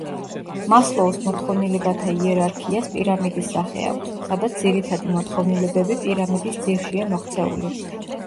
მასლოუს მოთხოვნილებათა იერარქიას პირამიდის სახე აქვს, სადაც ძირითადი მოთხოვნილებები პირამიდის ძირშია მოქცეული.